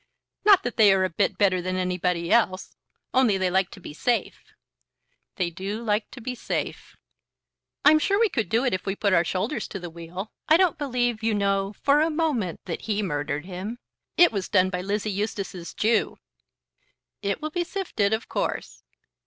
"Not that they are a bit better than anybody else, only they like to be safe." "They do like to be safe." "I'm sure we could do it if we put our shoulders to the wheel. I don't believe, you know, for a moment that he murdered him. It was done by Lizzie Eustace's Jew." "It will be sifted, of course."